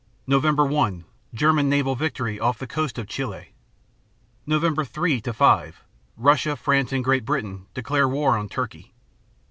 Nov. 1 German naval victory off the coast of Chile. Nov. 3 5 Russia, France, and Great Britain declare war on Turkey.